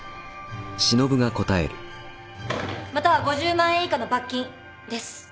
または５０万円以下の罰金です。